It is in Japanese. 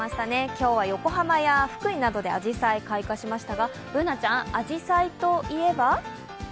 今日は横浜や福井などであじさい開花しましたがＢｏｏｎａちゃん、あじさいといえば？